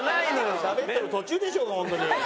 しゃべってる途中でしょうが本当に。